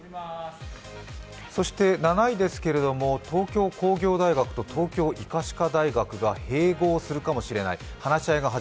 そして７位ですけど、東京工業大学と東京医科歯科大学が併合するかもしれない。